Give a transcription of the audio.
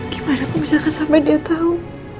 gimana aku bisa kasih tau dia tau